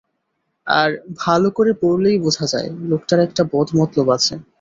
আর ভালো করে পড়লেই বোঝা যায়, লোকটার একটা বদ মতলব আছে।